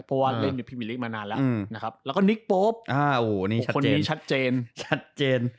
เพราะว่าเล่นอยู่พรีมิลิกมานานแล้วนะครับแล้วก็นิกปุ๊บคนนี้ชัดเจน